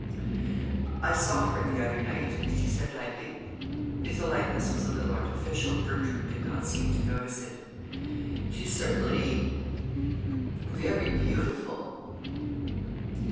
"I saw her the other night," she said lightly. (If the lightness was a little artificial Bertram did not seem to notice it.) "She is certainly very beautiful."